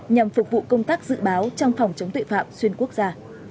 nhằm phục vụ công tác dự báo trong phòng chống tội phạm xuyên quốc gia